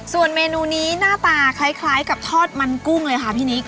ส่วนเมนูนี้หน้าตาคล้ายกับทอดมันกุ้งเลยค่ะพี่นิก